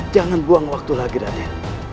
jangan buang waktu lagi nanti